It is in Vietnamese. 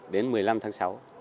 đến một mươi năm tháng sáu